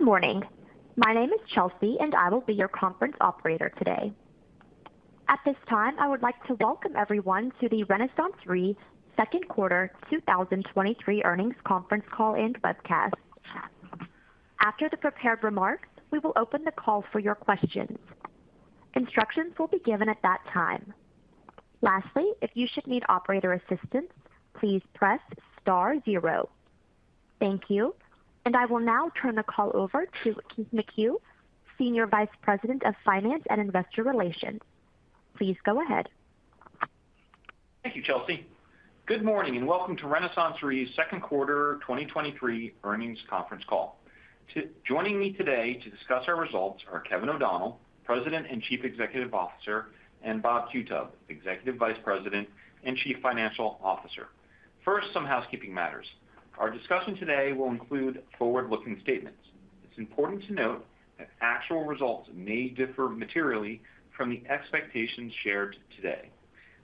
Good morning. My name is Chelsea, I will be your conference operator today. At this time, I would like to welcome everyone to the RenaissanceRe 2nd Quarter 2023 Earnings Conference Call and webcast. After the prepared remarks, we will open the call for your questions. Instructions will be given at that time. Lastly, if you should need operator assistance, please press S zero. Thank you, I will now turn the call over to Keith McCue, Senior Vice President of Finance and Investor Relations. Please go ahead. Thank you, Chelsea. Good morning, and welcome to RenaissanceRe's Q2 2023 Earnings Conference Call. Joining me today to discuss our results are Kevin O'Donnell, President and Chief Executive Officer, and Bob Qutub, Executive Vice President and Chief Financial Officer. First, some housekeeping matters. Our discussion today will include forward-looking statements. It's important to note that actual results may differ materially from the expectations shared today.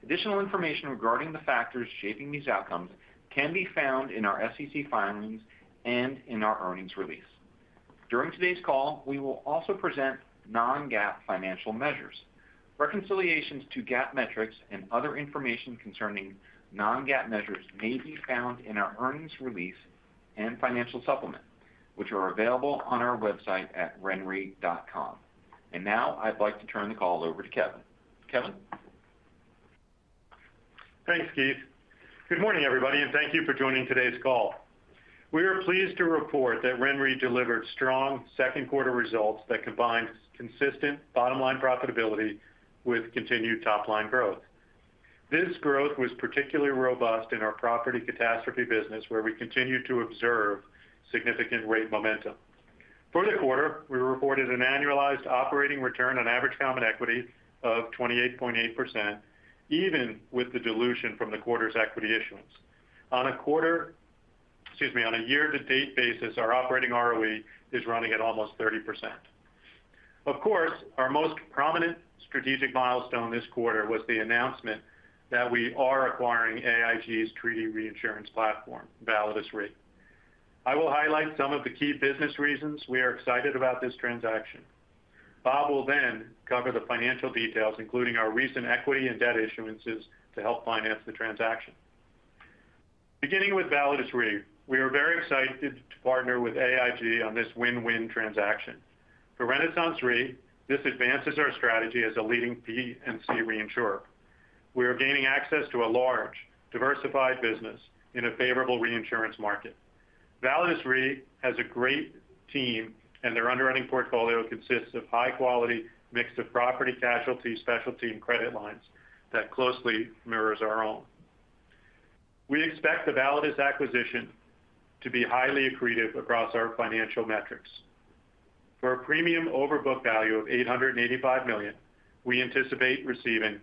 Additional information regarding the factors shaping these outcomes can be found in our SEC filings and in our earnings release. During today's call, we will also present non-GAAP financial measures. Reconciliations to GAAP metrics and other information concerning non-GAAP measures may be found in our earnings release and financial supplement, which are available on our website at renre.com. Now I'd like to turn the call over to Kevin. Kevin? Thanks, Keith. Good morning, everybody. Thank you for joining today's call. We are pleased to report that RenRe delivered strong Q2 results that combine consistent bottom-line profitability with continued top-line growth. This growth was particularly robust in our property catastrophe business, where we continued to observe significant rate momentum. For the quarter, we reported an annualized operating return on average common equity of 28.8%, even with the dilution from the quarter's equity issuance. Excuse me, on a year-to-date basis, our operating ROE is running at almost 30%. Of course, our most prominent strategic milestone this quarter was the announcement that we are acquiring AIG's treaty reinsurance platform, Validus Re. I will highlight some of the key business reasons we are excited about this transaction. Bob will then cover the financial details, including our recent equity and debt issuances, to help finance the transaction. Beginning with Validus Re, we are very excited to partner with AIG on this win-win transaction. For RenaissanceRe, this advances our strategy as a leading P&C reinsurer. We are gaining access to a large, diversified business in a favorable reinsurance market. Validus Re has a great team, and their underwriting portfolio consists of high quality, mix of property, casualty, specialty, and credit lines that closely mirrors our own. We expect the Validus acquisition to be highly accretive across our financial metrics. For a premium over book value of $885 million, we anticipate receiving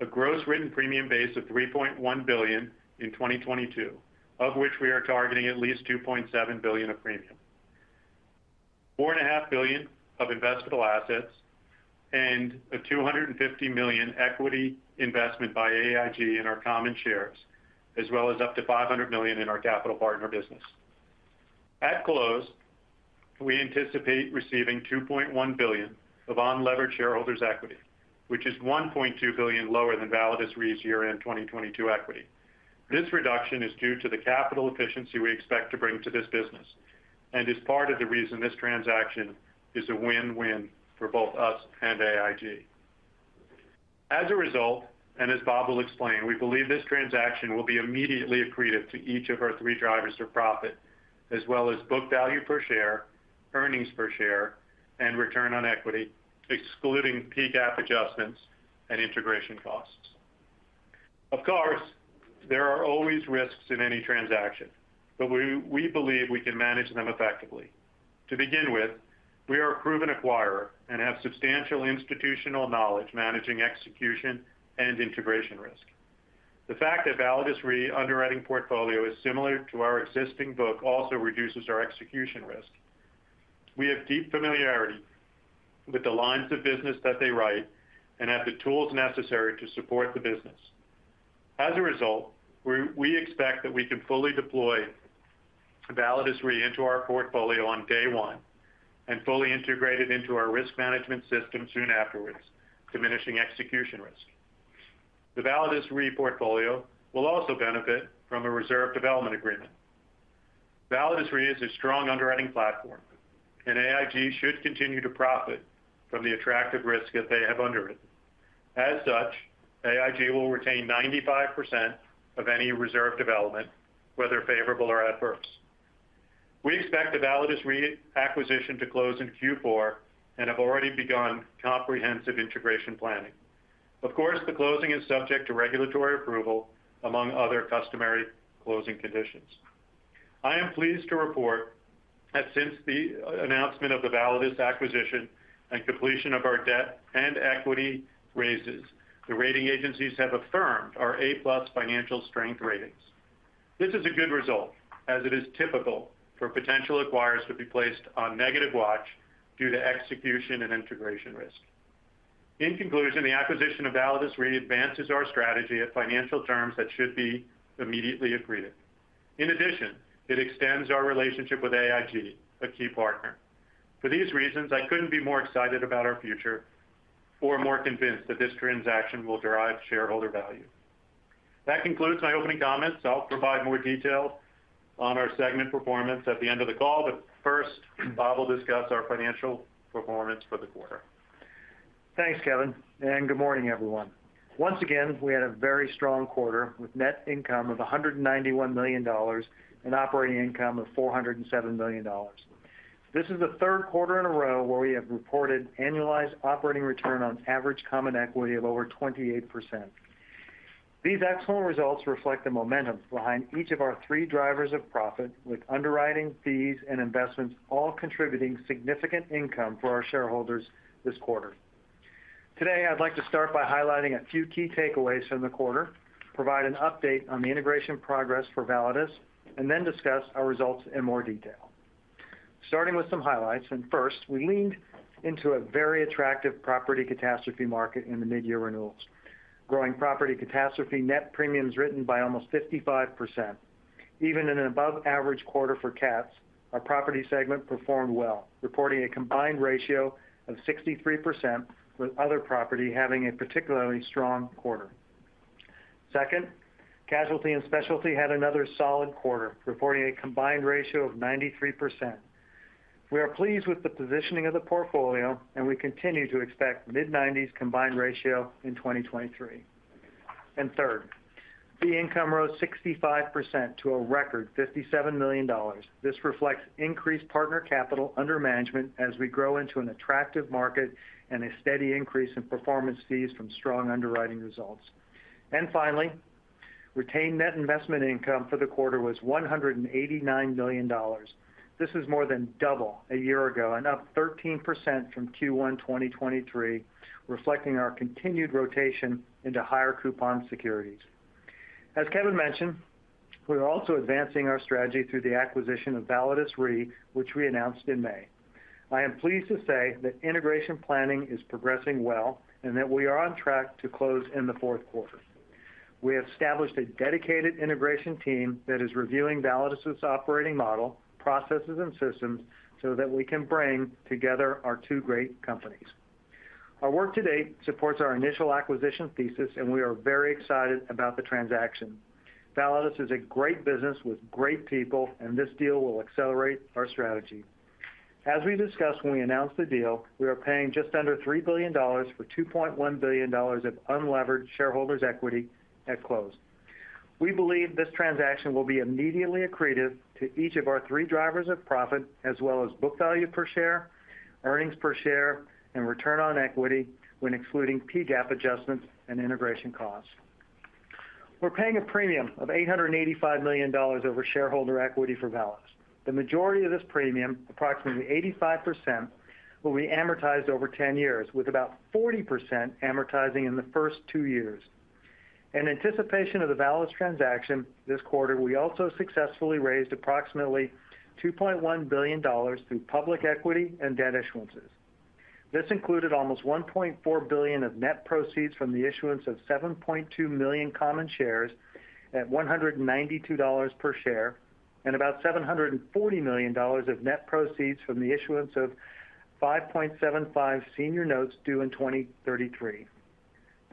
a gross written premium base of $3.1 billion in 2022, of which we are targeting at least $2.7 billion of premium. Four and a half billion of investable assets, and a $250 million equity investment by AIG in our common shares, as well as up to $500 million in our capital partner business. At close, we anticipate receiving $2.1 billion of unlevered shareholders' equity, which is $1.2 billion lower than Validus Re's year-end 2022 equity. This reduction is due to the capital efficiency we expect to bring to this business and is part of the reason this transaction is a win-win for both us and AIG. As a result, and as Bob will explain, we believe this transaction will be immediately accretive to each of our three drivers for profit, as well as book value per share, earnings per share, and return on equity, excluding PGAAP adjustments and integration costs. Of course, there are always risks in any transaction, we believe we can manage them effectively. To begin with, we are a proven acquirer and have substantial institutional knowledge managing execution and integration risk. The fact that Validus Re underwriting portfolio is similar to our existing book also reduces our execution risk. We have deep familiarity with the lines of business that they write and have the tools necessary to support the business. As a result, we expect that we can fully deploy Validus Re into our portfolio on day 1 and fully integrate it into our risk management system soon afterwards, diminishing execution risk. The Validus Re portfolio will also benefit from a reserve development agreement. Validus Re is a strong underwriting platform, AIG should continue to profit from the attractive risk that they have underwritten. As such, AIG will retain 95% of any reserve development, whether favorable or adverse. We expect the Validus Re acquisition to close in Q4 and have already begun comprehensive integration planning. Of course, the closing is subject to regulatory approval, among other customary closing conditions. I am pleased to report that since the announcement of the Validus acquisition and completion of our debt and equity raises, the rating agencies have affirmed our A+ financial strength ratings. This is a good result, as it is typical for potential acquirers to be placed on negative watch due to execution and integration risk. In conclusion, the acquisition of Validus Re advances our strategy at financial terms that should be immediately accretive. In addition, it extends our relationship with AIG, a key partner. For these reasons, I couldn't be more excited about our future or more convinced that this transaction will derive shareholder value. That concludes my opening comments. I'll provide more detail on our segment performance at the end of the call, but first, Bob will discuss our financial performance for the quarter. Thanks, Kevin. Good morning, everyone. Once again, we had a very strong quarter, with net income of $191 million and operating income of $407 million. This is the third quarter in a row where we have reported annualized operating return on average common equity of over 28%. These excellent results reflect the momentum behind each of our three drivers of profit, with underwriting, fees, and investments all contributing significant income for our shareholders this quarter. Today, I'd like to start by highlighting a few key takeaways from the quarter, provide an update on the integration progress for Validus, and then discuss our results in more detail. Starting with some highlights, and first, we leaned into a very attractive property catastrophe market in the mid-year renewals, growing property catastrophe net premiums written by almost 55%. Even in an above average quarter for cats, our property segment performed well, reporting a combined ratio of 63%, with other property having a particularly strong quarter. Second, casualty and specialty had another solid quarter, reporting a combined ratio of 93%. We are pleased with the positioning of the portfolio, and we continue to expect mid-90s combined ratio in 2023. Third, fee income rose 65% to a record $57 million. This reflects increased partner capital under management as we grow into an attractive market and a steady increase in performance fees from strong underwriting results. Finally, retained net investment income for the quarter was $189 million. This is more than double a year ago and up 13% from Q1 2023, reflecting our continued rotation into higher coupon securities. As Kevin mentioned, we are also advancing our strategy through the acquisition of Validus Re, which we announced in May. I am pleased to say that integration planning is progressing well and that we are on track to close in the Q4. We have established a dedicated integration team that is reviewing Validus's operating model, processes, and systems so that we can bring together our two great companies. Our work to date supports our initial acquisition thesis, and we are very excited about the transaction. Validus is a great business with great people, and this deal will accelerate our strategy. As we discussed when we announced the deal, we are paying just under $3 billion for $2.1 billion of unlevered shareholders' equity at close. We believe this transaction will be immediately accretive to each of our three drivers of profit, as well as book value per share, earnings per share, and return on equity when excluding PGAAP adjustments and integration costs. We're paying a premium of $885 million over shareholder equity for Validus. The majority of this premium, approximately 85%, will be amortized over 10 years, with about 40% amortizing in the first two years. In anticipation of the Validus transaction this quarter, we also successfully raised approximately $2.1 billion through public equity and debt issuances. This included almost $1.4 billion of net proceeds from the issuance of 7.2 million common shares at $192 per share, and about $740 million of net proceeds from the issuance of 5.75 senior notes due in 2033.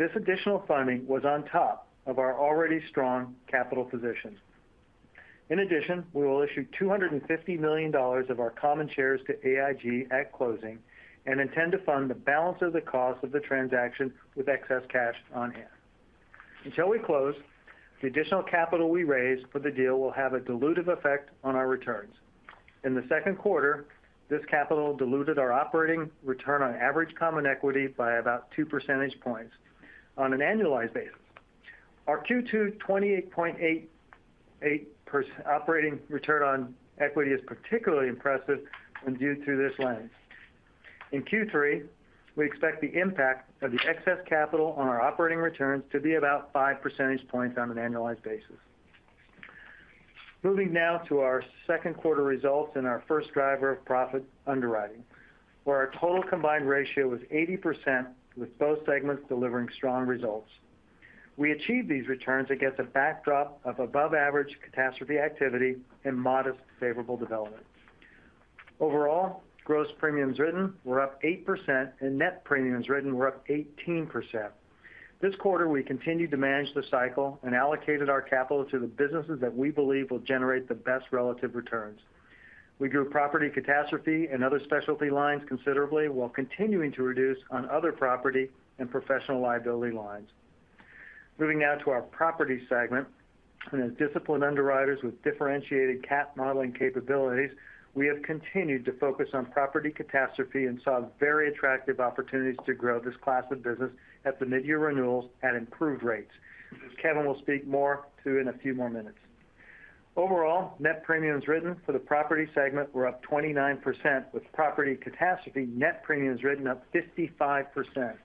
This additional funding was on top of our already strong capital position. We will issue $250 million of our common shares to AIG at closing and intend to fund the balance of the cost of the transaction with excess cash on hand. Until we close, the additional capital we raise for the deal will have a dilutive effect on our returns. In the Q2, this capital diluted our operating return on average common equity by about 2 percentage points on an annualized basis. Our Q2 28.88% operating return on equity is particularly impressive when viewed through this lens. In Q3, we expect the impact of the excess capital on our operating returns to be about 5 percentage points on an annualized basis. Moving now to our Q2 results and our first driver of profit underwriting, where our total combined ratio was 80%, with both segments delivering strong results. We achieved these returns against a backdrop of above average catastrophe activity and modest favorable development. Overall, gross premiums written were up 8%, and net premiums written were up 18%. This quarter, we continued to manage the cycle and allocated our capital to the businesses that we believe will generate the best relative returns. We grew property catastrophe and other specialty lines considerably, while continuing to reduce on other property and professional liability lines. Moving now to our property segment, as disciplined underwriters with differentiated cat modeling capabilities, we have continued to focus on property catastrophe and saw very attractive opportunities to grow this class of business at the mid-year renewals at improved rates. Kevin will speak more to in a few more minutes. Overall, net premiums written for the property segment were up 29%, with property catastrophe net premiums written up 55%.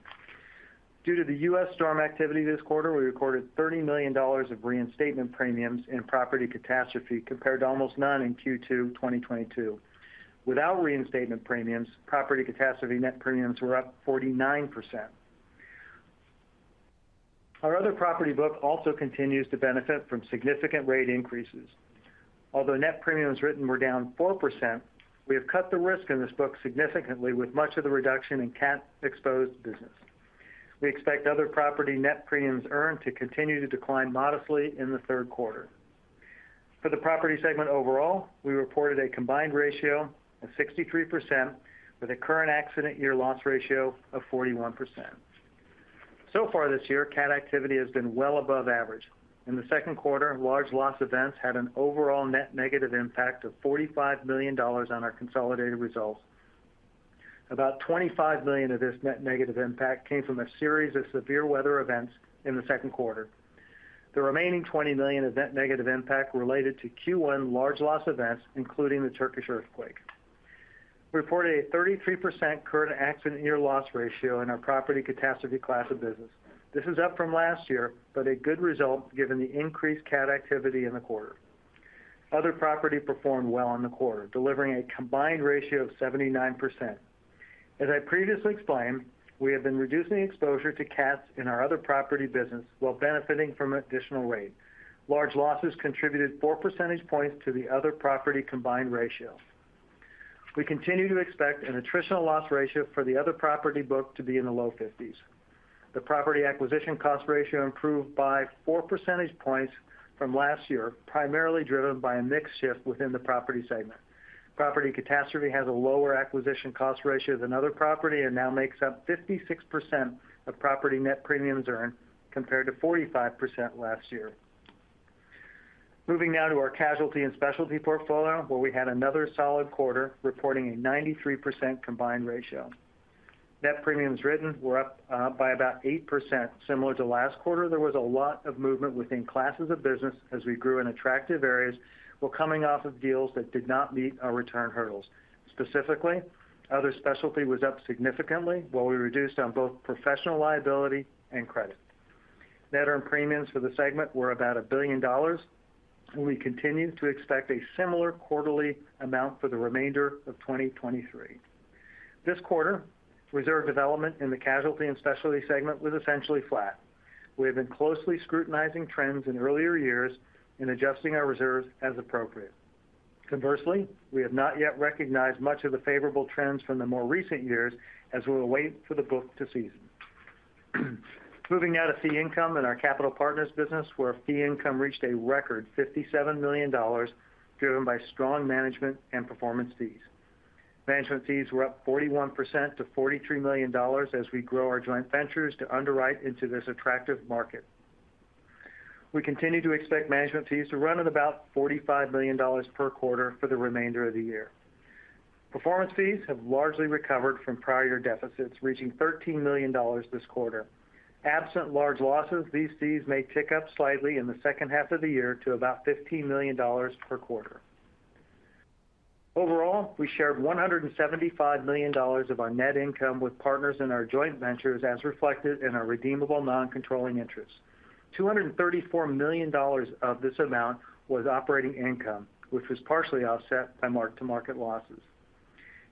Due to the U.S. storm activity this quarter, we recorded $30 million of reinstatement premiums in property catastrophe, compared to almost none in Q2 2022. Without reinstatement premiums, property catastrophe net premiums were up 49%. Our other property book also continues to benefit from significant rate increases. Although net premiums written were down 4%, we have cut the risk in this book significantly, with much of the reduction in cat-exposed business. We expect other property net premiums earned to continue to decline modestly in the Q3. For the property segment overall, we reported a combined ratio of 63%, with a current accident year loss ratio of 41%. So far this year, cat activity has been well above average. In the Q2, large loss events had an overall net negative impact of $45 million on our consolidated results. About $25 million of this net negative impact came from a series of severe weather events in the Q2. The remaining $20 million of that negative impact related to Q1 large loss events, including the Turkish earthquake. We reported a 33% current accident year loss ratio in our property catastrophe class of business. This is up from last year, but a good result given the increased cat activity in the quarter. Other property performed well in the quarter, delivering a combined ratio of 79%. As I previously explained, we have been reducing exposure to cats in our other property business while benefiting from additional rate. Large losses contributed 4 percentage points to the other property combined ratio. We continue to expect an attritional loss ratio for the other property book to be in the low 50s. The property acquisition cost ratio improved by 4 percentage points from last year, primarily driven by a mix shift within the property segment. Property catastrophe has a lower acquisition cost ratio than other property, and now makes up 56% of property net premiums earned, compared to 45% last year. Moving now to our casualty and specialty portfolio, where we had another solid quarter, reporting a 93% combined ratio. Net premiums written were up by about 8%. Similar to last quarter, there was a lot of movement within classes of business as we grew in attractive areas, while coming off of deals that did not meet our return hurdles. Specifically, other specialty was up significantly, while we reduced on both professional liability and credit. Net earned premiums for the segment were about $1 billion, and we continue to expect a similar quarterly amount for the remainder of 2023. This quarter, reserve development in the casualty and specialty segment was essentially flat. We have been closely scrutinizing trends in earlier years and adjusting our reserves as appropriate. Conversely, we have not yet recognized much of the favorable trends from the more recent years as we will wait for the book to season. Moving now to fee income in our capital partners business, where fee income reached a record $57 million, driven by strong management and performance fees. Management fees were up 41% to $43 million as we grow our joint ventures to underwrite into this attractive market. We continue to expect management fees to run at about $45 million per quarter for the remainder of the year. Performance fees have largely recovered from prior year deficits, reaching $13 million this quarter. Absent large losses, these fees may tick up slightly in the second half of the year to about $15 million per quarter. Overall, we shared $175 million of our net income with partners in our joint ventures, as reflected in our redeemable non-controlling interest. $234 million of this amount was operating income, which was partially offset by mark-to-market losses.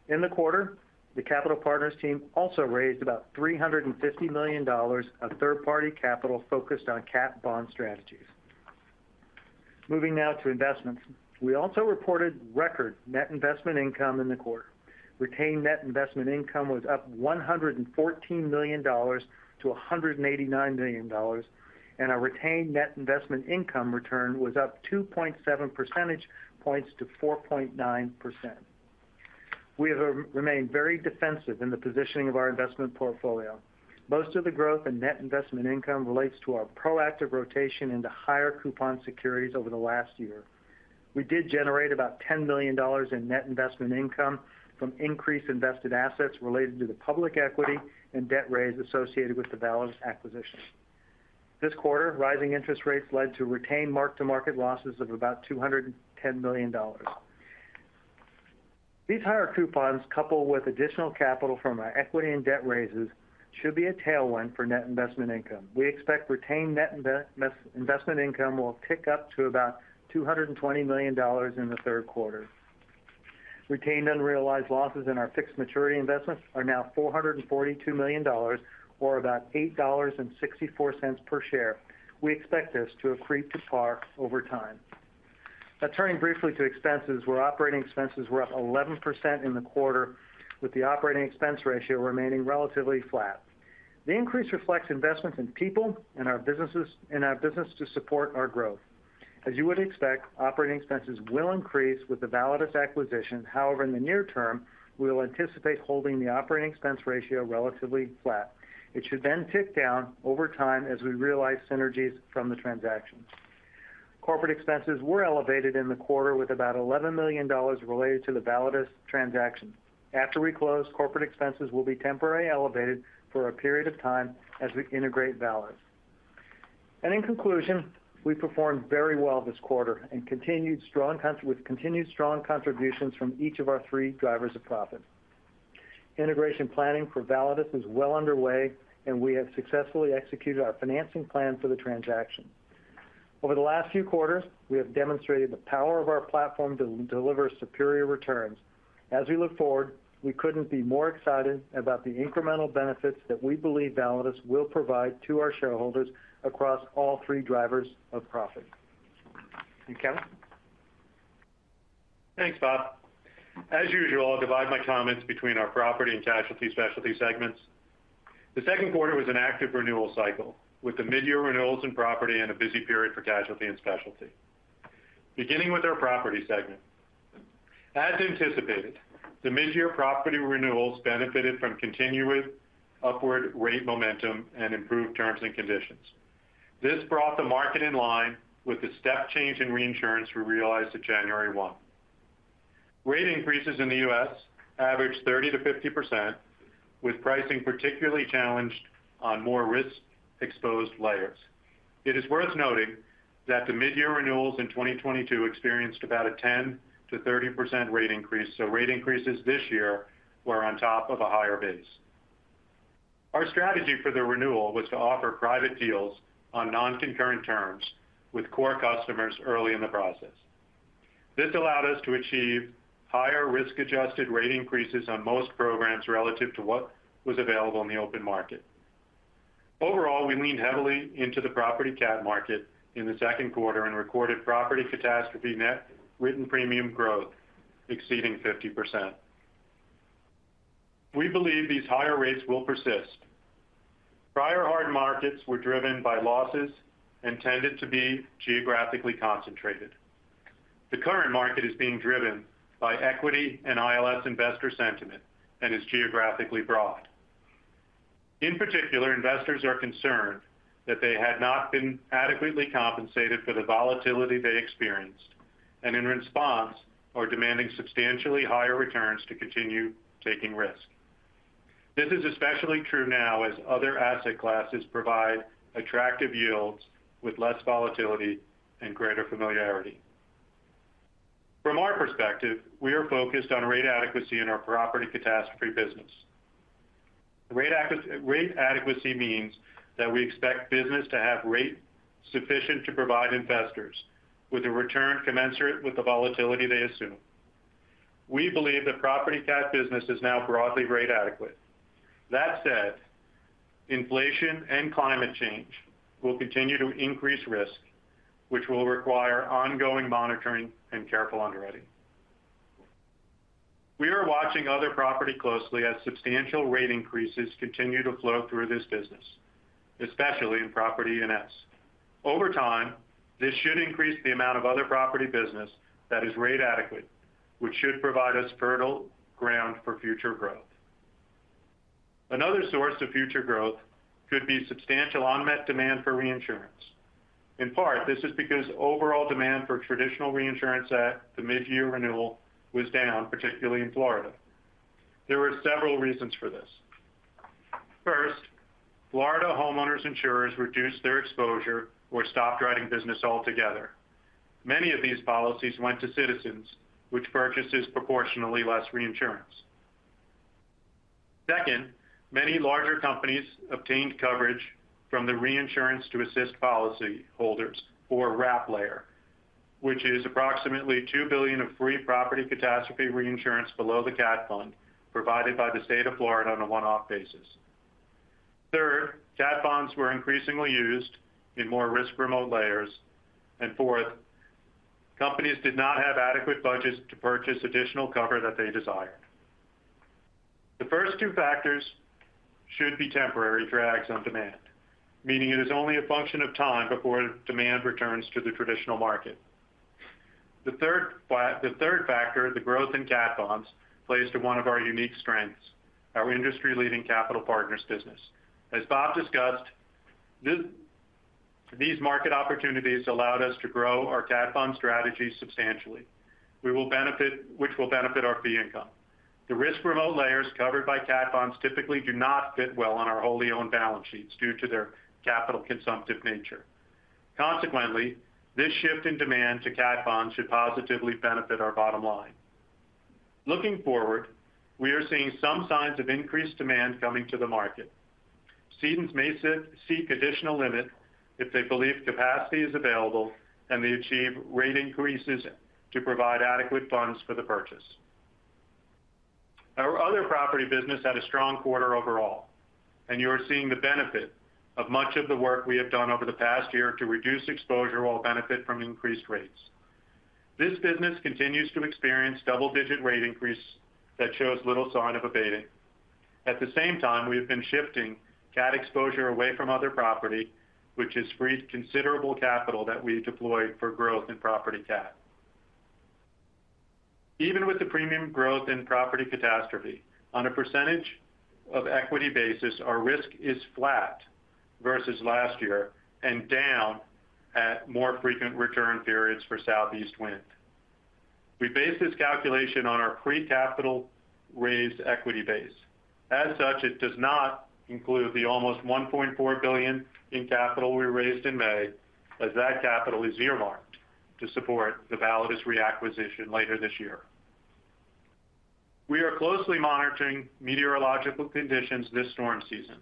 In the quarter, the capital partners team also raised about $350 million of third-party capital focused on cat bond strategies. Moving now to investments. We also reported record net investment income in the quarter. Retained net investment income was up $114 million to $189 million, and our retained net investment income return was up 2.7 percentage points to 4.9%. We have remained very defensive in the positioning of our investment portfolio. Most of the growth in net investment income relates to our proactive rotation into higher coupon securities over the last year. We did generate about $10 million in net investment income from increased invested assets related to the public equity and debt raise associated with the Validus acquisition. This quarter, rising interest rates led to retained mark-to-market losses of about $210 million. These higher coupons, coupled with additional capital from our equity and debt raises, should be a tailwind for net investment income. We expect retained net investment income will tick up to about $220 million in the third quarter. Retained unrealized losses in our fixed maturity investments are now $442 million or about $8.64 per share. We expect this to accrete to par over time. Now, turning briefly to expenses, where operating expenses were up 11% in the quarter, with the operating expense ratio remaining relatively flat. The increase reflects investments in people and our business to support our growth. As you would expect, operating expenses will increase with the Validus acquisition. In the near term, we will anticipate holding the operating expense ratio relatively flat. It should tick down over time as we realize synergies from the transaction. Corporate expenses were elevated in the quarter with about $11 million related to the Validus transaction. After we close, corporate expenses will be temporarily elevated for a period of time as we integrate Validus. In conclusion, we performed very well this quarter with continued strong contributions from each of our three drivers of profit. Integration planning for Validus is well underway, and we have successfully executed our financing plan for the transaction. Over the last few quarters, we have demonstrated the power of our platform to deliver superior returns. As we look forward, we couldn't be more excited about the incremental benefits that we believe Validus will provide to our shareholders across all three drivers of profit. You, Kevin? Thanks, Bob. As usual, I'll divide my comments between our Property and Casualty and Specialty segments. The Q2 was an active renewal cycle, with the mid-year renewals in Property and a busy period for Casualty and Specialty. Beginning with our Property segment. As anticipated, the mid-year Property renewals benefited from continuous upward rate momentum and improved terms and conditions. This brought the market in line with the step change in reinsurance we realized at January 1. Rate increases in the U.S. averaged 30%-50%, with pricing particularly challenged on more risk-exposed layers. It is worth noting that the mid-year renewals in 2022 experienced about a 10%-30% rate increase, rate increases this year were on top of a higher base. Our strategy for the renewal was to offer private deals on non-concurrent terms with core customers early in the process. This allowed us to achieve higher risk-adjusted rate increases on most programs relative to what was available in the open market. Overall, we leaned heavily into the property cat market in the Q2 and recorded property catastrophe net written premium growth exceeding 50%. We believe these higher rates will persist. Prior hard markets were driven by losses and tended to be geographically concentrated. The current market is being driven by equity and ILS investor sentiment and is geographically broad. In particular, investors are concerned that they had not been adequately compensated for the volatility they experienced, and in response, are demanding substantially higher returns to continue taking risk. This is especially true now as other asset classes provide attractive yields with less volatility and greater familiarity. From our perspective, we are focused on rate adequacy in our property catastrophe business. Rate adequacy means that we expect business to have rate sufficient to provide investors with a return commensurate with the volatility they assume. We believe the property cat business is now broadly rate adequate. That said, inflation and climate change will continue to increase risk, which will require ongoing monitoring and careful underwriting. We are watching other property closely as substantial rate increases continue to flow through this business, especially in Property and Specialty. Over time, this should increase the amount of other property business that is rate adequate, which should provide us fertile ground for future growth. Another source of future growth could be substantial unmet demand for reinsurance. In part, this is because overall demand for traditional reinsurance at the mid-year renewal was down, particularly in Florida. There were several reasons for this. First, Florida homeowners' insurers reduced their exposure or stopped writing business altogether. Many of these policies went to citizens, which purchases proportionally less reinsurance. Second, many larger companies obtained coverage from the Reinsurance to Assist Policyholders or RAP layer, which is approximately $2 billion of free property catastrophe reinsurance below the cat bond, provided by the state of Florida on a one-off basis. Third, cat bonds were increasingly used in more risk-remote layers. Fourth, companies did not have adequate budgets to purchase additional cover that they desired. The first two factors should be temporary drags on demand, meaning it is only a function of time before demand returns to the traditional market. The third factor, the growth in cat bonds, plays to one of our unique strengths, our industry-leading capital partners business. As Bob discussed, these market opportunities allowed us to grow our cat bond strategy substantially, which will benefit our fee income. The risk remote layers covered by cat bonds typically do not fit well on our wholly owned balance sheets due to their capital consumptive nature. Consequently, this shift in demand to cat bonds should positively benefit our bottom line. Looking forward, we are seeing some signs of increased demand coming to the market. Cedants may seek additional limit if they believe capacity is available, and they achieve rate increases to provide adequate funds for the purchase. You are seeing the benefit of much of the work we have done over the past year to reduce exposure while benefit from increased rates. This business continues to experience double-digit rate increase that shows little sign of abating. At the same time, we have been shifting cat exposure away from other property, which has freed considerable capital that we deployed for growth in property cat. Even with the premium growth in property catastrophe, on a % of equity basis, our risk is flat versus last year and down at more frequent return periods for Southeast wind. We base this calculation on our pre-capital raised equity base. It does not include the almost $1.4 billion in capital we raised in May, as that capital is earmarked to support the Validus reacquisition later this year. We are closely monitoring meteorological conditions this storm season.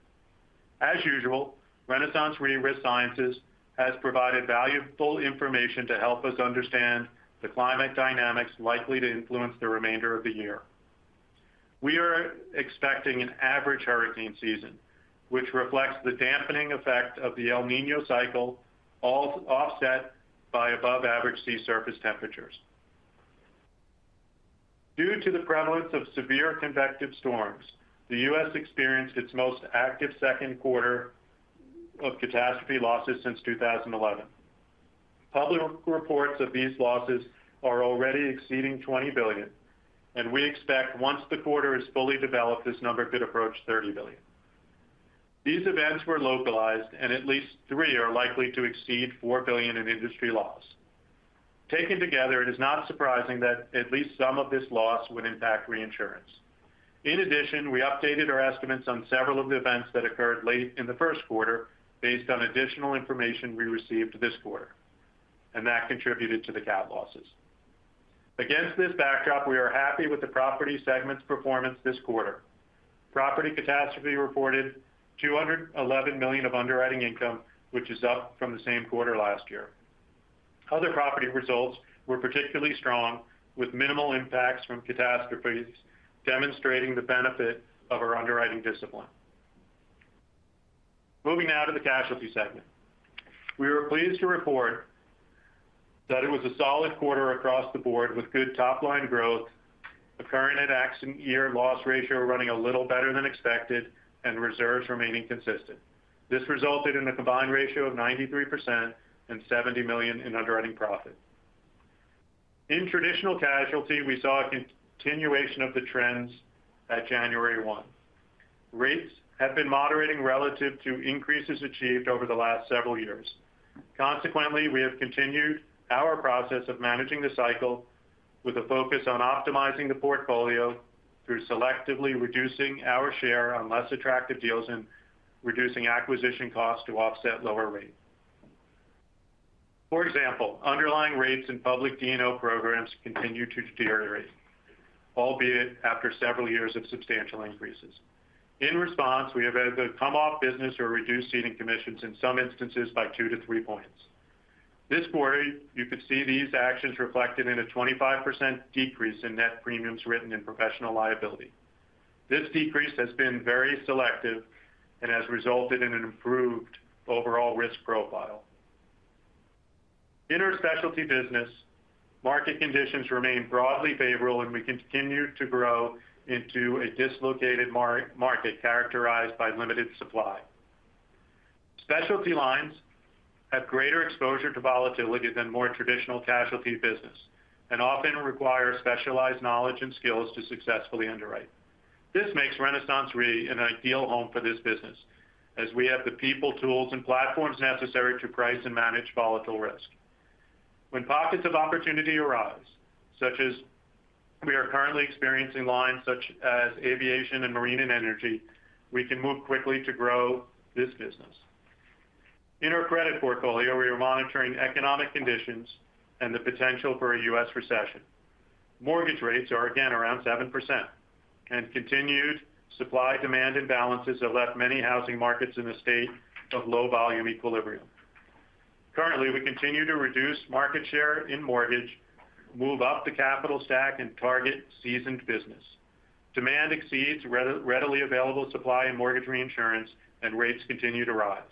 Renaissance Re Risk Sciences has provided valuable information to help us understand the climate dynamics likely to influence the remainder of the year. We are expecting an average hurricane season, which reflects the dampening effect of the El Niño cycle, all offset by above average sea surface temperatures. Due to the prevalence of severe convective storms, the U.S. experienced its most active Q2 of catastrophe losses since 2011. Public reports of these losses are already exceeding $20 billion, and we expect once the quarter is fully developed, this number could approach $30 billion. These events were localized, and at least three are likely to exceed $4 billion in industry loss. Taken together, it is not surprising that at least some of this loss would impact reinsurance. In addition, we updated our estimates on several of the events that occurred late in the first quarter based on additional information we received this quarter, and that contributed to the cat losses. Against this backdrop, we are happy with the Property segment's performance this quarter. Property catastrophe reported $211 million of underwriting income, which is up from the same quarter last year. Other Property results were particularly strong, with minimal impacts from catastrophes, demonstrating the benefit of our underwriting discipline. Moving now to the Casualty segment. We were pleased to report that it was a solid quarter across the board with good top line growth, a current accident year loss ratio running a little better than expected, and reserves remaining consistent. This resulted in a combined ratio of 93% and $70 million in underwriting profit. In Traditional Casualty, we saw a continuation of the trends at January 1. Rates have been moderating relative to increases achieved over the last several years. Consequently, we have continued our process of managing the cycle with a focus on optimizing the portfolio through selectively reducing our share on less attractive deals and reducing acquisition costs to offset lower rates. For example, underlying rates in public D&O programs continue to deteriorate, albeit after several years of substantial increases. In response, we have had to come off business or reduce seating commissions, in some instances by 2 to 3 points. This quarter, you could see these actions reflected in a 25% decrease in net premiums written in professional liability. This decrease has been very selective and has resulted in an improved overall risk profile. In our specialty business, market conditions remain broadly favorable, and we continue to grow into a dislocated market characterized by limited supply. Specialty lines have greater exposure to volatility than more traditional casualty business and often require specialized knowledge and skills to successfully underwrite. This makes RenaissanceRe an ideal home for this business, as we have the people, tools, and platforms necessary to price and manage volatile risk. When pockets of opportunity arise, such as we are currently experiencing lines such as aviation and marine and energy, we can move quickly to grow this business. In our credit portfolio, we are monitoring economic conditions and the potential for a U.S. recession. Mortgage rates are again around 7%, and continued supply-demand imbalances have left many housing markets in a state of low volume equilibrium. Currently, we continue to reduce market share in mortgage, move up the capital stack and target seasoned business. Demand exceeds readily available supply in mortgage reinsurance, and rates continue to rise.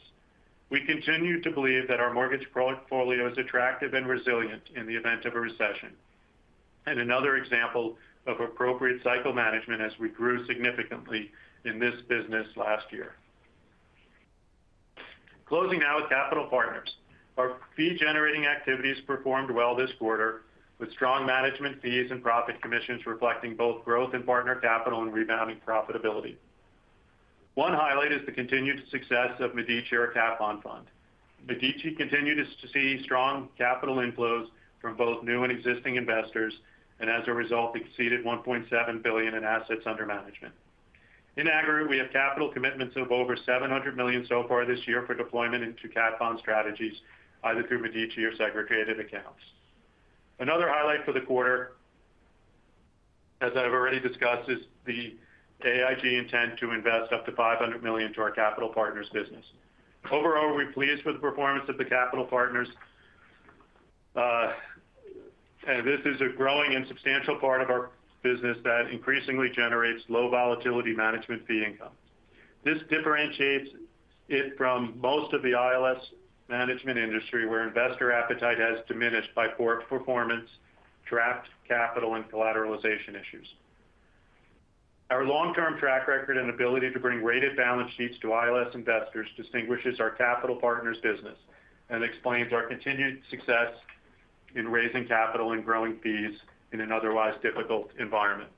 We continue to believe that our mortgage portfolio is attractive and resilient in the event of a recession. Another example of appropriate cycle management as we grew significantly in this business last year. Closing now with Capital Partners. Our fee-generating activities performed well this quarter, with strong management fees and profit commissions reflecting both growth in partner capital and rebounding profitability. One highlight is the continued success of Medici or Cat Bond Fund. Medici continued to see strong capital inflows from both new and existing investors. As a result, exceeded $1.7 billion in assets under management. In aggregate, we have capital commitments of over $700 million so far this year for deployment into cat bond strategies, either through Medici or segregated accounts. Another highlight for the quarter, as I've already discussed, is the AIG intent to invest up to $500 million to our capital partners business. Overall, we're pleased with the performance of the capital partners, and this is a growing and substantial part of our business that increasingly generates low volatility management fee income. This differentiates it from most of the ILS management industry, where investor appetite has diminished by poor performance, trapped capital, and collateralization issues. Our long-term track record and ability to bring rated balance sheets to ILS investors distinguishes our capital partners business and explains our continued success in raising capital and growing fees in an otherwise difficult environment.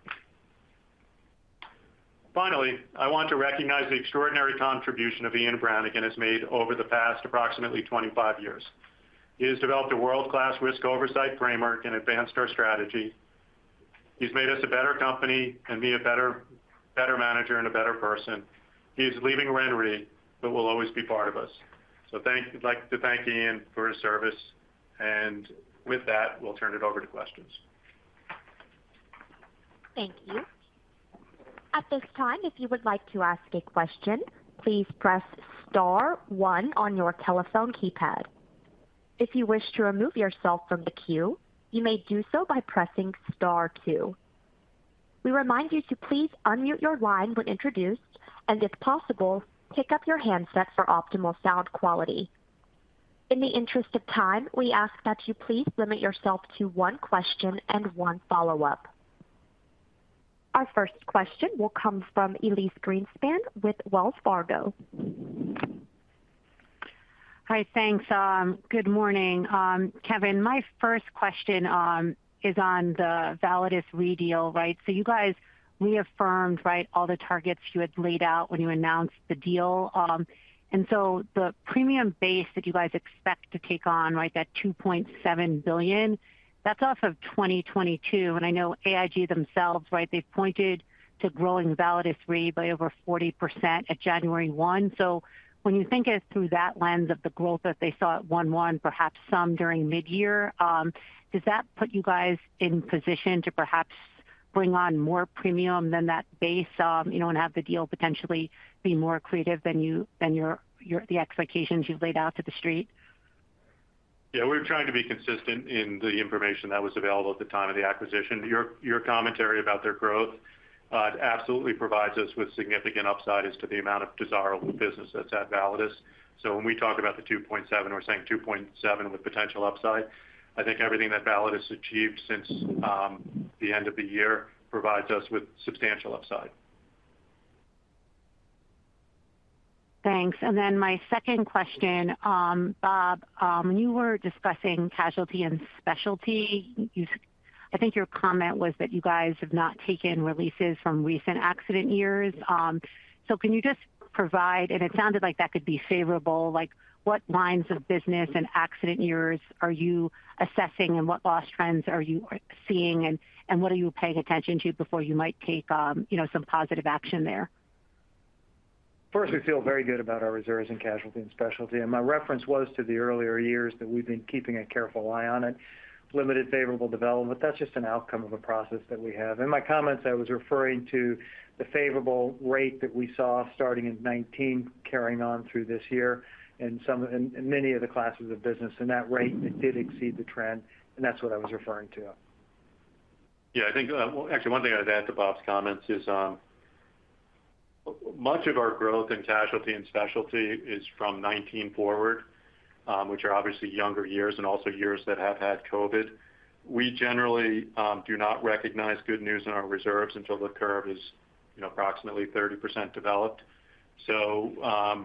Finally, I want to recognize the extraordinary contribution Ian Branagan has made over the past approximately 25 years. He has developed a world-class risk oversight framework and advanced our strategy. He's made us a better company and me a better manager and a better person. He is leaving RenRe, but will always be part of us. We'd like to thank Ian for his service, and with that, we'll turn it over to questions. Thank you. At this time, if you would like to ask a question, please press S one on your telephone keypad. If you wish to remove yourself from the queue, you may do so by pressing S two. We remind you to please unmute your line when introduced, and if possible, pick up your handset for optimal sound quality. In the interest of time, we ask that you please limit yourself to one question and one follow-up. Our first question will come from Elyse Greenspan with Wells Fargo. Hi, thanks. Good morning. Kevin, my first question is on the Validus Re deal, right? You guys reaffirmed, right, all the targets you had laid out when you announced the deal. The premium base that you guys expect to take on, right, that $2.7 billion, that's off of 2022. I know AIG themselves, right, they've pointed to growing Validus Re by over 40% at January 1. When you think it through that lens of the growth that they saw at 1/1, perhaps some during mid-year, does that put you guys in position to perhaps bring on more premium than that base, you know, and have the deal potentially be more accretive than your, the expectations you've laid out to the street? We're trying to be consistent in the information that was available at the time of the acquisition. Your commentary about their growth, it absolutely provides us with significant upside as to the amount of desirable business that's at Validus. When we talk about the $2.7, we're saying $2.7 with potential upside. I think everything that Validus achieved since the end of the year provides us with substantial upside. Thanks. My second question, Bob, I think your comment was that you guys have not taken releases from recent accident years. Can you just provide, and it sounded like that could be favorable, like, what lines of business and accident years are you assessing, and what loss trends are you seeing, and what are you paying attention to before you might take, you know, some positive action there? First, we feel very good about our reserves in casualty and specialty. My reference was to the earlier years that we've been keeping a careful eye on it. Limited favorable development, that's just an outcome of a process that we have. In my comments, I was referring to the favorable rate that we saw starting in 2019 carrying on through this year in many of the classes of business. That rate did exceed the trend. That's what I was referring to. Yeah, I think, well, actually, one thing I'd add to Bob's comments is, much of our growth in casualty and specialty is from 19 forward, which are obviously younger years and also years that have had COVID. We generally do not recognize good news in our reserves until the curve is, you know, approximately 30% developed. I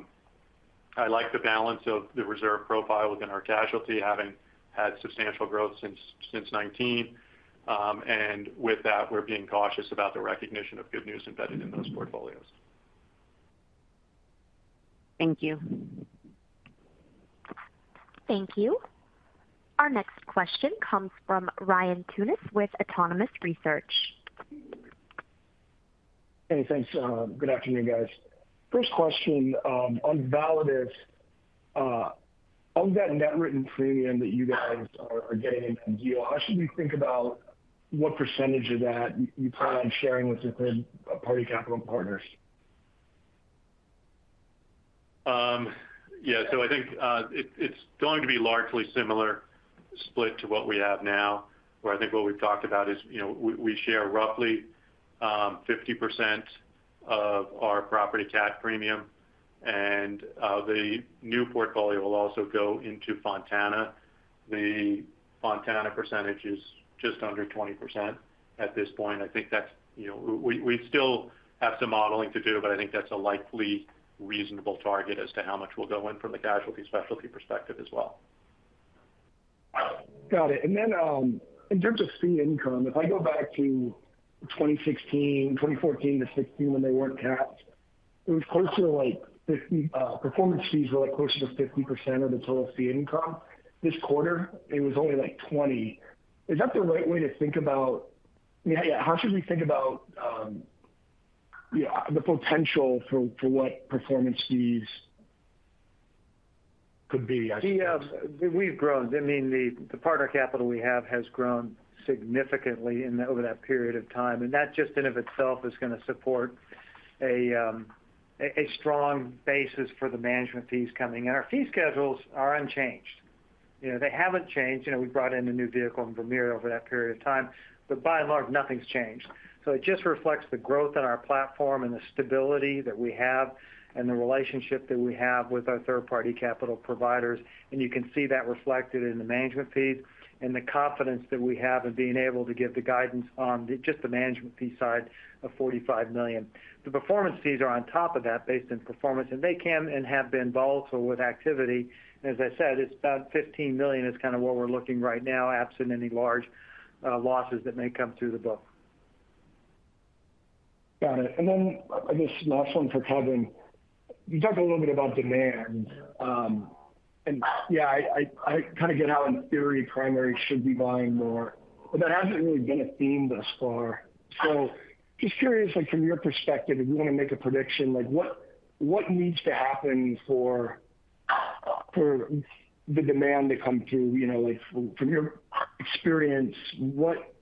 like the balance of the reserve profile within our casualty, having had substantial growth since 19. With that, we're being cautious about the recognition of good news embedded in those portfolios. Thank you. Thank you. Our next question comes from Ryan Tunis with Autonomous Research. Hey, thanks. Good afternoon, guys. First question on Validus. Of that net written premium that you guys are getting in the deal, how should we think about what % of that you plan on sharing with the third-party capital partners? I think, it's going to be largely similar split to what we have now, where I think what we've talked about is, you know, we share roughly, 50% of our property cat premium. The new portfolio will also go into Fontana. The Fontana percentage is just under 20% at this point. I think that's, you know... We still have some modeling to do, but I think that's a likely reasonable target as to how much will go in from the casualty specialty perspective as well. Got it. Then, in terms of fee income, if I go back to 2016, 2014-2016, when they weren't capped, it was closer to, like, 50, performance fees were, like, closer to 50% of the total fee income. This quarter, it was only, like, 20. How should we think about, yeah, the potential for what performance fees could be, I suppose? Yeah, we've grown. I mean, the partner capital we have has grown significantly in, over that period of time, and that just in of itself is going to support a strong basis for the management fees coming in. Our fee schedules are unchanged. You know, they haven't changed. You know, we brought in a new vehicle in Vermeer over that period of time, but by and large, nothing's changed. It just reflects the growth on our platform and the stability that we have and the relationship that we have with our third-party capital providers, and you can see that reflected in the management fees and the confidence that we have in being able to give the guidance on the, just the management fee side of $45 million. The performance fees are on top of that, based on performance, and they can and have been volatile with activity. As I said, it's about $15 million is kind of what we're looking right now, absent any large losses that may come through the book. Got it. I guess last one for Kevin. You talked a little bit about demand. Yeah, I, I kind of get how in theory, primary should be buying more, but that hasn't really been a theme thus far. Just curiously, from your perspective, if you want to make a prediction, like what needs to happen for the demand to come through? You know, like from your experience, what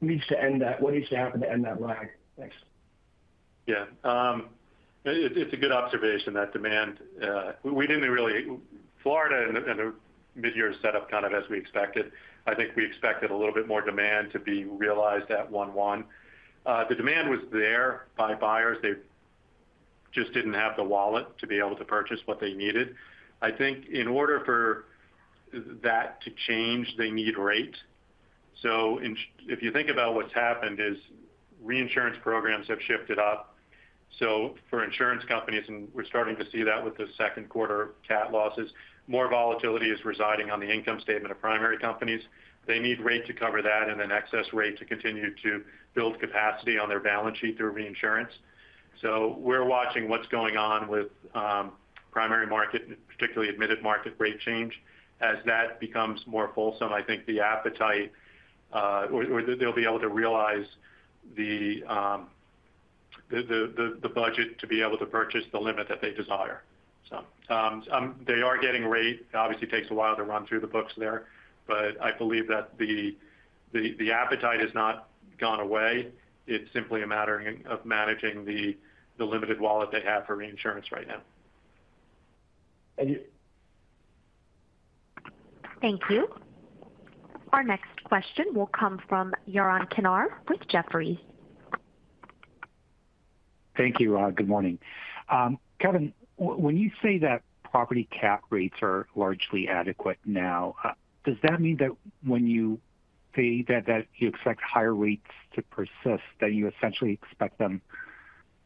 needs to end that? What needs to happen to end that lag? Thanks. Yeah, it's a good observation that demand. Florida and the mid-year set up kind of as we expected. I think we expected a little bit more demand to be realized at 1/1. The demand was there by buyers. They just didn't have the wallet to be able to purchase what they needed. I think in order for that to change, they need rate. If you think about what's happened is reinsurance programs have shifted up. For insurance companies, and we're starting to see that with the Q2 cat losses, more volatility is residing on the income statement of primary companies. They need rate to cover that and then excess rate to continue to build capacity on their balance sheet through reinsurance. We're watching what's going on with primary market, particularly admitted market rate change. As that becomes more fulsome, I think the appetite, or they'll be able to realize the budget to be able to purchase the limit that they desire. They are getting rate. It obviously takes a while to run through the books there, but I believe that the appetite has not gone away. It's simply a matter of managing the limited wallet they have for reinsurance right now. Thank you. Thank you. Our next question will come from Yaron Kinar with Jefferies. Thank you, good morning. Kevin, when you say that property cat rates are largely adequate now, does that mean that when you say that you expect higher rates to persist, that you essentially expect them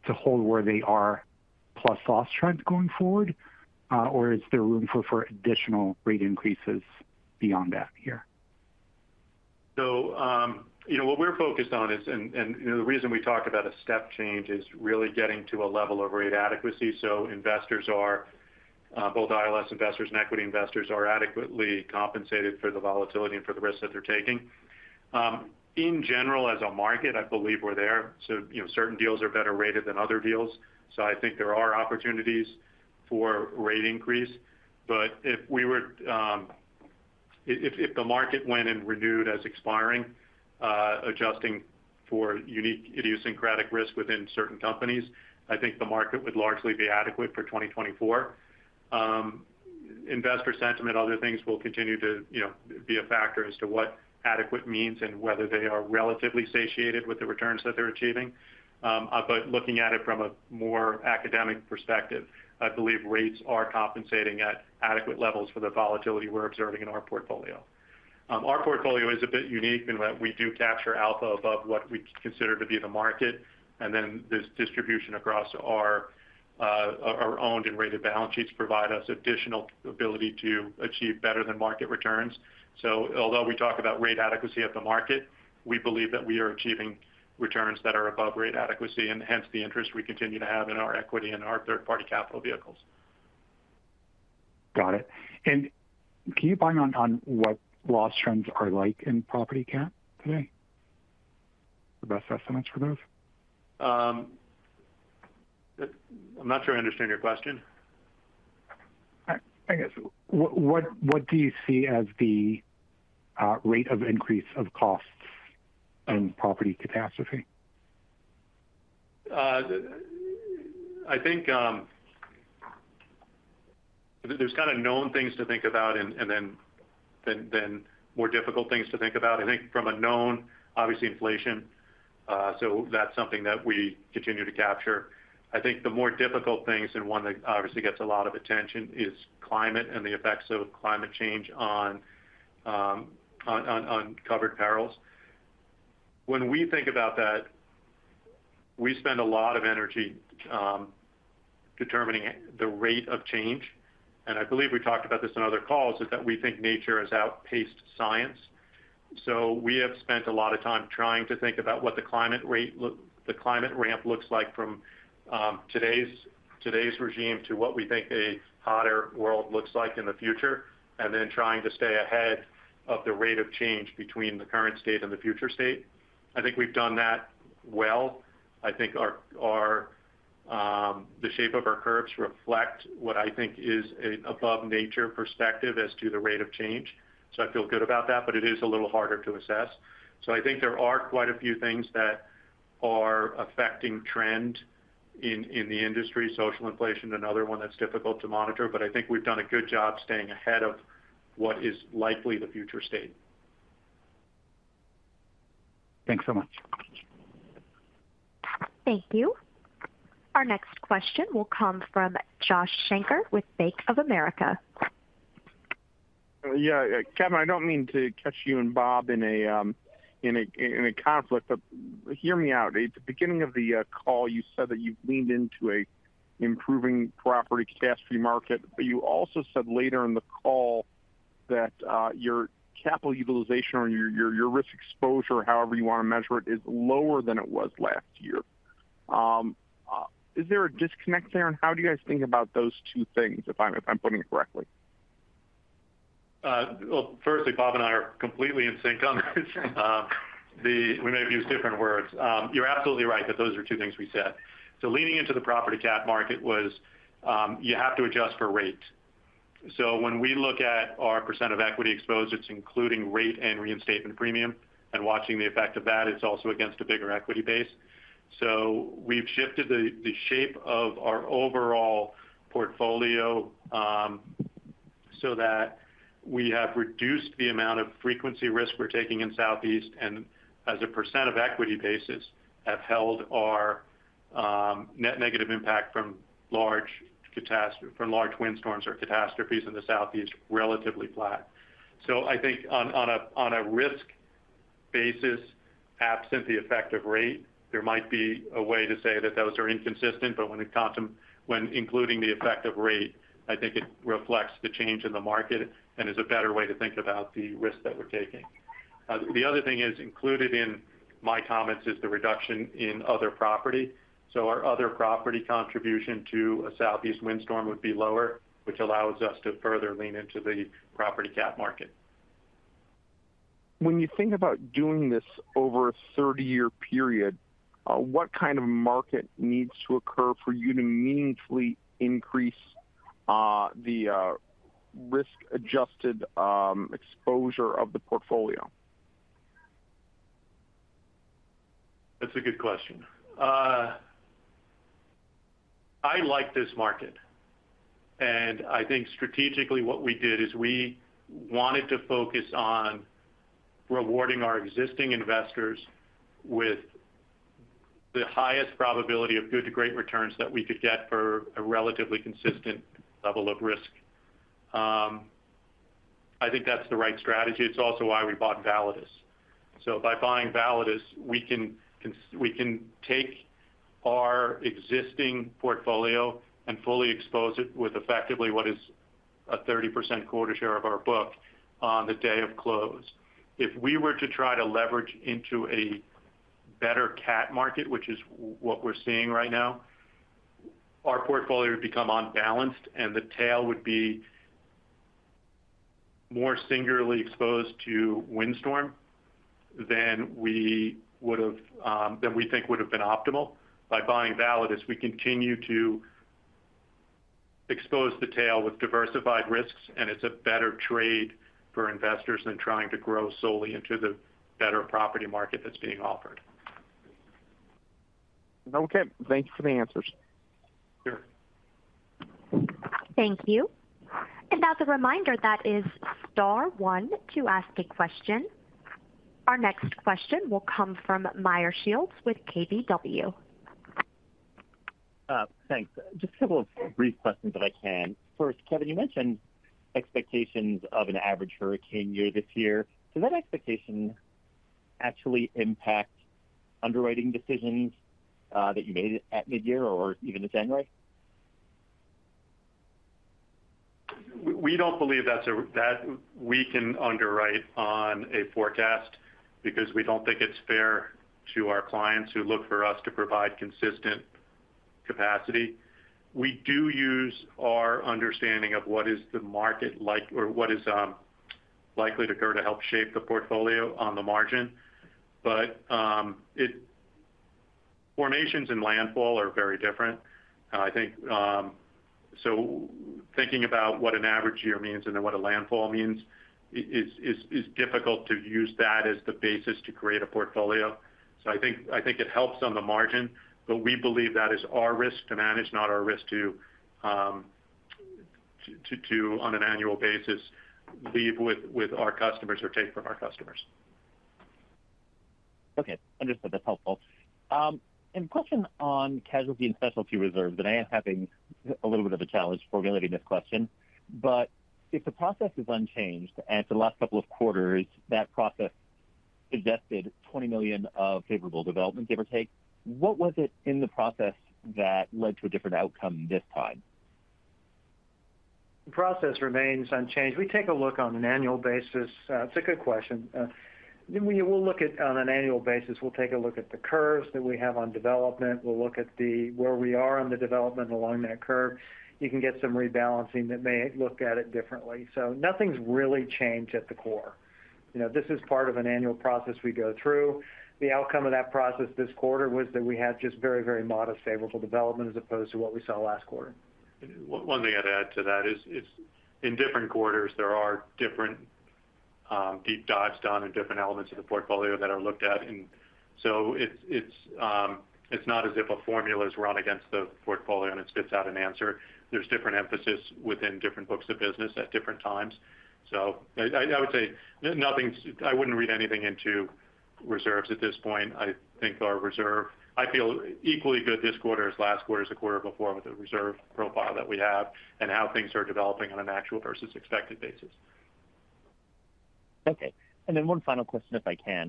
to hold where they are, plus loss trends going forward? Is there room for additional rate increases beyond that here? You know, what we're focused on is... you know, the reason we talk about a step change is really getting to a level of rate adequacy. Investors are, both ILS investors and equity investors, are adequately compensated for the volatility and for the risks that they're taking. In general, as a market, I believe we're there. You know, certain deals are better rated than other deals, so I think there are opportunities for rate increase. If we were, if the market went and renewed as expiring, adjusting for unique idiosyncratic risk within certain companies, I think the market would largely be adequate for 2024. Investor sentiment, other things will continue to, you know, be a factor as to what adequate means and whether they are relatively satiated with the returns that they're achieving. Looking at it from a more academic perspective, I believe rates are compensating at adequate levels for the volatility we're observing in our portfolio. Our portfolio is a bit unique in that we do capture alpha above what we consider to be the market, and then there's distribution across our owned and rated balance sheets provide us additional ability to achieve better than market returns. Although we talk about rate adequacy of the market, we believe that we are achieving returns that are above rate adequacy, and hence the interest we continue to have in our equity and our third-party capital vehicles. Got it. Can you chime in on what loss trends are like in property cat today, the best estimates for those? I'm not sure I understand your question. I guess, what do you see as the rate of increase of costs in property catastrophe? I think there's kind of known things to think about, then more difficult things to think about. I think from a known, obviously inflation, that's something that we continue to capture. I think the more difficult things, and one that obviously gets a lot of attention, is climate and the effects of climate change on covered perils. When we think about that, we spend a lot of energy determining the rate of change, and I believe we talked about this in other calls, is that we think nature has outpaced science. We have spent a lot of time trying to think about what the climate ramp looks like from, today's regime to what we think a hotter world looks like in the future, and then trying to stay ahead of the rate of change between the current state and the future state. I think we've done that well. I think our, the shape of our curves reflect what I think is an above nature perspective as to the rate of change. I feel good about that, but it is a little harder to assess. I think there are quite a few things that are affecting trend in the industry. Social inflation, another one that's difficult to monitor, but I think we've done a good job staying ahead of what is likely the future state. Thanks so much. Thank you. Our next question will come from Joshua Shanker with Bank of America. Yeah, Kevin, I don't mean to catch you and Bob in a conflict, but hear me out. At the beginning of the call, you said that you've leaned into an improving property catastrophe market, but you also said later in the call that, your capital utilization or your risk exposure, however you want to measure it, is lower than it was last year. Is there a disconnect there, and how do you guys think about those two things, if I'm putting it correctly? Well, firstly, Bob and I are completely in sync on this. We may have used different words. You're absolutely right that those are two things we said. Leaning into the property cat market was, you have to adjust for rate. When we look at our percent of equity exposed, it's including rate and reinstatement premium, and watching the effect of that, it's also against a bigger equity base. We've shifted the shape of our overall portfolio, so that we have reduced the amount of frequency risk we're taking in Southeast, and as a percent of equity basis, have held our net negative impact from large windstorms or catastrophes in the Southeast, relatively flat. I think on a risk basis, absent the effect of rate, there might be a way to say that those are inconsistent, but when including the effect of rate, I think it reflects the change in the market and is a better way to think about the risk that we're taking. The other thing is, included in my comments is the reduction in other property. Our other property contribution to a Southeast windstorm would be lower, which allows us to further lean into the property cat market. When you think about doing this over a 30-year period, what kind of market needs to occur for you to meaningfully increase, the risk-adjusted exposure of the portfolio? That's a good question. I like this market, I think strategically what we did is we wanted to focus on rewarding our existing investors with the highest probability of good to great returns that we could get for a relatively consistent level of risk. I think that's the right strategy. It's also why we bought Validus. By buying Validus, we can take our existing portfolio and fully expose it with effectively what is a 30% quarter share of our book on the day of close. If we were to try to leverage into a better cat market, which is what we're seeing right now, our portfolio would become unbalanced, and the tail would be more singularly exposed to windstorm than we would've, than we think would have been optimal. By buying Validus, we continue to expose the tail with diversified risks, and it's a better trade for investors than trying to grow solely into the better property market that's being offered. Okay. Thank you for the answers. Sure. Thank you. As a reminder, that is star 1 to ask a question. Our next question will come from Meyer Shields with KBW. Thanks. Just a couple of brief questions, if I can. First, Kevin, you mentioned expectations of an average hurricane year this year. Does that expectation actually impact underwriting decisions that you made at midyear or even this January? We don't believe that we can underwrite on a forecast because we don't think it's fair to our clients who look for us to provide consistent capacity. We do use our understanding of what is the market like or what is likely to occur to help shape the portfolio on the margin. Formations and landfall are very different. I think, thinking about what an average year means and then what a landfall means, is difficult to use that as the basis to create a portfolio. I think, I think it helps on the margin, but we believe that is our risk to manage, not our risk to, on an annual basis, leave with our customers or take from our customers. Okay. Understood. That's helpful. A question on casualty and specialty reserves, and I am having a little bit of a challenge formulating this question. If the process is unchanged, and for the last couple of quarters, that process suggested $20 million of favorable development, give or take, what was it in the process that led to a different outcome this time? The process remains unchanged. We take a look on an annual basis. It's a good question. We will look at on an annual basis, we'll take a look at the curves that we have on development. We'll look at the where we are on the development along that curve. You can get some rebalancing that may look at it differently. Nothing's really changed at the core. You know, this is part of an annual process we go through. The outcome of that process this quarter was that we had just very, very modest favorable development as opposed to what we saw last quarter. One thing I'd add to that is in different quarters, there are different, deep dives done in different elements of the portfolio that are looked at. It's not as if a formula is run against the portfolio and it spits out an answer. There's different emphasis within different books of business at different times. I would say I wouldn't read anything into reserves at this point. I think our reserve... I feel equally good this quarter as last quarter, as the quarter before, with the reserve profile that we have and how things are developing on an actual versus expected basis. Okay, one final question, if I can.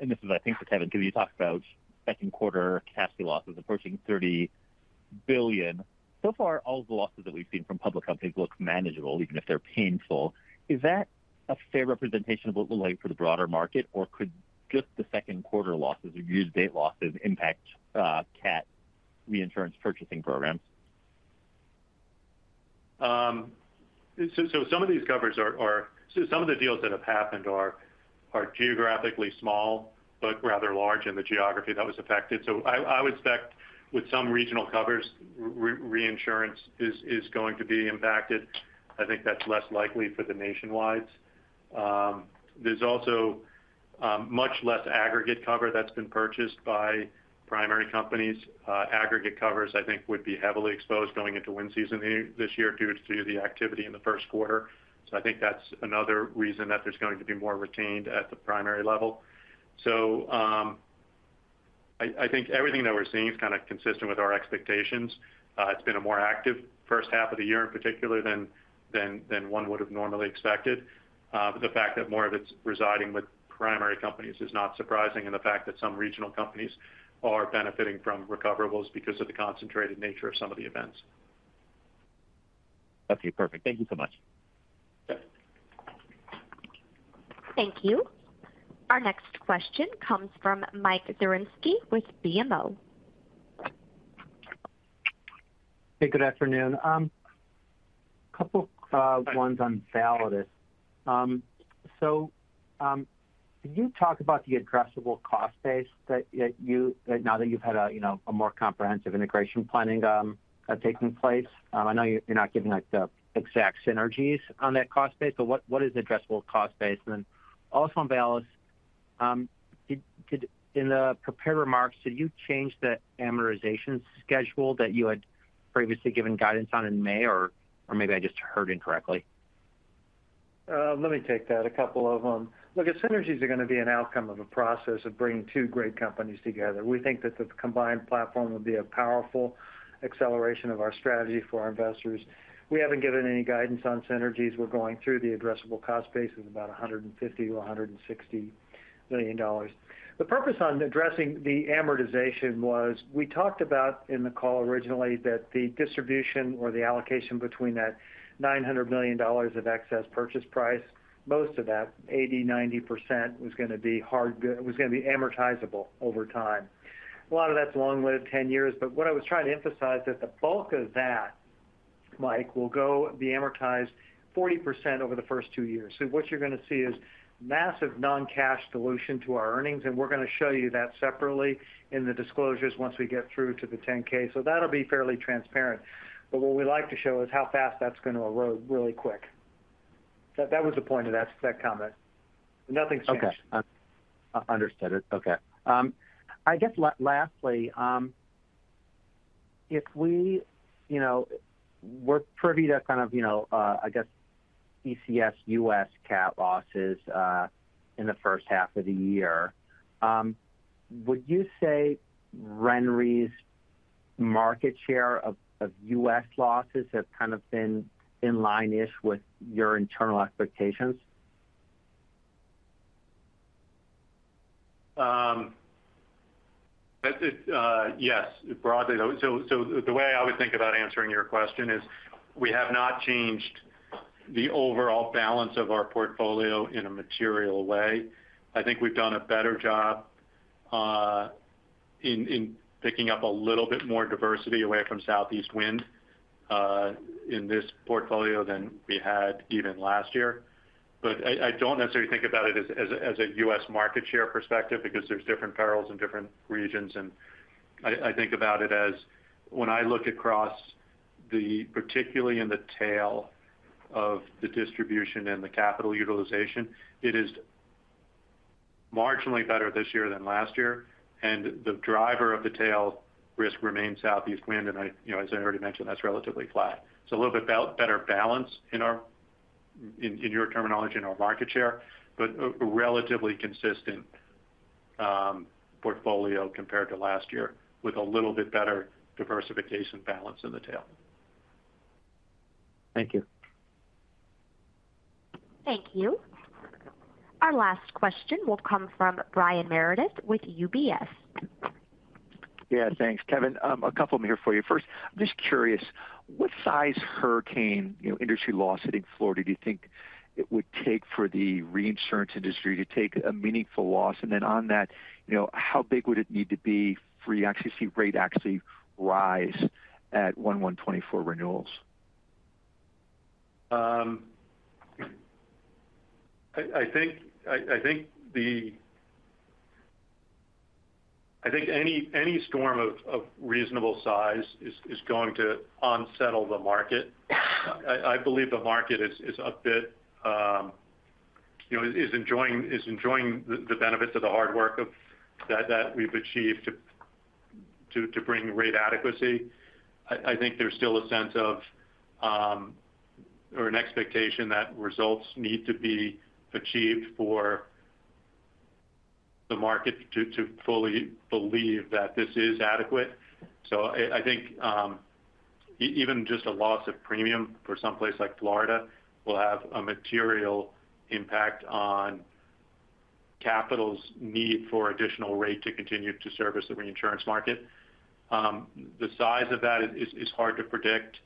This is, I think, for Kevin, because you talked about Q2 casualty losses approaching $30 billion. So far, all the losses that we've seen from public companies look manageable, even if they're painful. Is that a fair representation of what it will look like for the broader market, or could just the Q2 losses or year-to-date losses impact, cat reinsurance purchasing programs? Some of these covers so some of the deals that have happened are geographically small, but rather large in the geography that was affected. I would expect with some regional covers, re-reinsurance is going to be impacted. I think that's less likely for the nationwides. There's also much less aggregate cover that's been purchased by primary companies. Aggregate covers, I think, would be heavily exposed going into wind season this year due to the activity in the 1st quarter. I think that's another reason that there's going to be more retained at the primary level. I think everything that we're seeing is kind of consistent with our expectations. It's been a more active 1st half of the year, in particular, than one would have normally expected. The fact that more of it's residing with primary companies is not surprising, and the fact that some regional companies are benefiting from recoverables because of the concentrated nature of some of the events. Okay, perfect. Thank you so much. Yeah. Thank you. Our next question comes from Michael Zaremski with BMO. Hey, good afternoon. A couple ones on Validus Re. Can you talk about the addressable cost base that now that you've had a, you know, a more comprehensive integration planning taking place? I know you're not giving, like, the exact synergies on that cost base, but what is the addressable cost base? Also on Validus Re, in the prepared remarks, did you change the amortization schedule that you had previously given guidance on in May, or maybe I just heard incorrectly? Let me take that, a couple of them. The synergies are going to be an outcome of a process of bringing two great companies together. We think that the combined platform will be a powerful acceleration of our strategy for our investors. We haven't given any guidance on synergies. We're going through the addressable cost base of about $150 million-$160 million. The purpose on addressing the amortization was, we talked about in the call originally, that the distribution or the allocation between that $900 million of excess purchase price, most of that, 80%, 90%, was going to be amortizable over time. A lot of that's long lived, 10 years. What I was trying to emphasize that the bulk of that, Mike, will go be amortized 40% over the first 2 years. What you're going to see is massive non-cash dilution to our earnings, and we're going to show you that separately in the disclosures once we get through to the 10-K. That'll be fairly transparent. What we like to show is how fast that's going to erode really quick. That was the point of that comment. Nothing's changed. Okay. Understood it. Okay. I guess lastly, if we, you know, we're privy to kind of, you know, I guess, PCS U.S. cat losses in the first half of the year, would you say RenRe's market share of U.S. losses have kind of been in line-ish with your internal expectations? That is, yes, broadly. The way I would think about answering your question is, we have not changed the overall balance of our portfolio in a material way. I think we've done a better job, in picking up a little bit more diversity away from Southeast Wind, in this portfolio than we had even last year. I don't necessarily think about it as a, as a U.S. market share perspective because there's different perils in different regions. I think about it as when I look across the, particularly in the tail of the distribution and the capital utilization, it is marginally better this year than last year, and the driver of the tail risk remains Southeast wind, and I, you know, as I already mentioned, that's relatively flat. A little bit better balance in our, in your terminology, in our market share, but a relatively consistent portfolio compared to last year, with a little bit better diversification balance in the tail. Thank you. Thank you. Our last question will come from Brian Meredith with UBS. Yeah, thanks, Kevin. A couple them here for you. First, just curious, what size hurricane, you know, industry loss hitting Florida, do you think it would take for the reinsurance industry to take a meaningful loss? On that, you know, how big would it need to be for you to actually see rate actually rise at 1/1/2024 renewals? I think any storm of reasonable size is going to unsettle the market. I believe the market is a bit, you know, is enjoying the benefits of the hard work that we've achieved to bring rate adequacy. I think there's still a sense of or an expectation that results need to be achieved for the market to fully believe that this is adequate. I think even just a loss of premium for someplace like Florida will have a material impact on capital's need for additional rate to continue to service the reinsurance market. The size of that is hard to predict.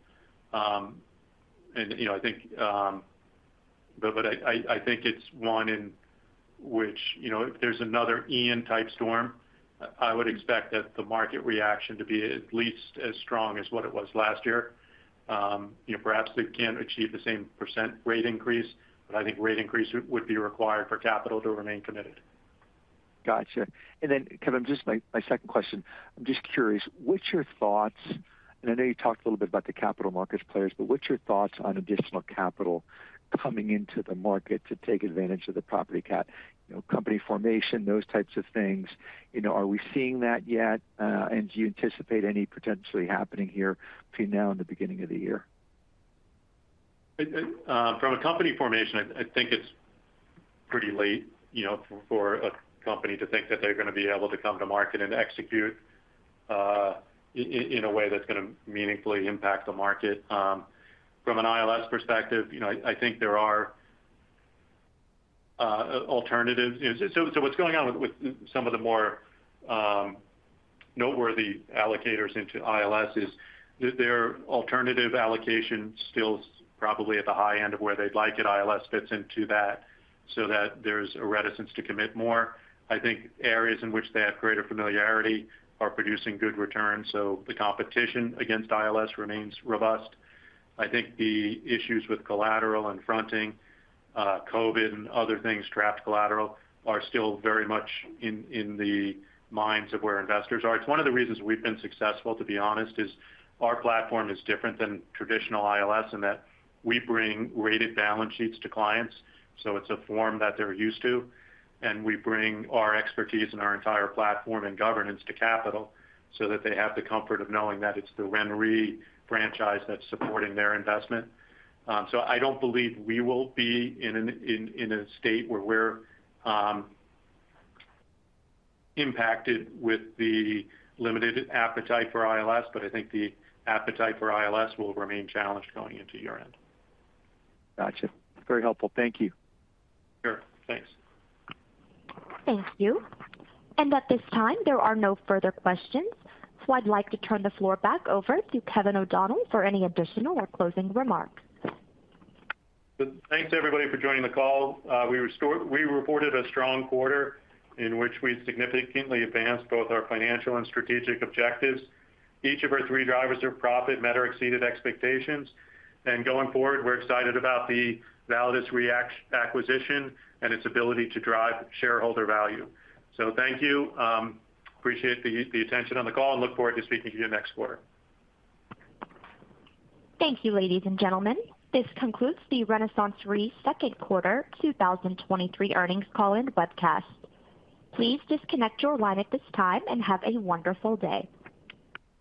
you know, I think, but I think it's one in which, you know, if there's another Ian-type storm, I would expect that the market reaction to be at least as strong as what it was last year. you know, perhaps they can't achieve the same % rate increase, but I think rate increase would be required for capital to remain committed. Got you. Kevin, just my second question. I'm just curious, what's your thoughts, and I know you talked a little bit about the capital markets players, but what's your thoughts on additional capital coming into the market to take advantage of the property cat, you know, company formation, those types of things? You know, are we seeing that yet, and do you anticipate any potentially happening here between now and the beginning of the year? From a company formation, I think it's pretty late, you know, for a company to think that they're going to be able to come to market and execute in a way that's going to meaningfully impact the market. From an ILS perspective, you know, I think there are alternatives. What's going on with some of the more noteworthy allocators into ILS is their alternative allocation still is probably at the high end of where they'd like it. ILS fits into that, so that there's a reticence to commit more. I think areas in which they have greater familiarity are producing good returns, so the competition against ILS remains robust. I think the issues with collateral and fronting, COVID and other things, trapped collateral, are still very much in the minds of where investors are. It's one of the reasons we've been successful, to be honest, is our platform is different than traditional ILS in that we bring rated balance sheets to clients, so it's a form that they're used to. We bring our expertise and our entire platform and governance to capital, so that they have the comfort of knowing that it's the RenRe franchise that's supporting their investment. I don't believe we will be in a state where we're impacted with the limited appetite for ILS, but I think the appetite for ILS will remain challenged going into year-end. Got you. Very helpful. Thank you. Sure. Thanks. Thank you. At this time, there are no further questions. I'd like to turn the floor back over to Kevin O'Donnell for any additional or closing remarks. Good. Thanks, everybody, for joining the call. We reported a strong quarter in which we significantly advanced both our financial and strategic objectives. Each of our three drivers of profit met or exceeded expectations. Going forward, we're excited about the Validus Re acquisition and its ability to drive shareholder value. Thank you. Appreciate the attention on the call and look forward to speaking to you next quarter. Thank you, ladies and gentlemen. This concludes the RenaissanceRe Q2 2023 earnings call and webcast. Please disconnect your line at this time and have a wonderful day.